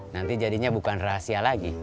nanti jadinya bukan rahasia lagi